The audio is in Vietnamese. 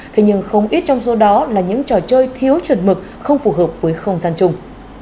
thế nhưng không ít trong số đó là những trò chơi thiếu chuẩn mực không phù hợp với không gian chung